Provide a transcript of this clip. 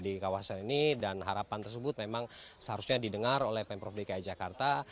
di kawasan ini dan harapan tersebut memang seharusnya didengar oleh pemprov dki jakarta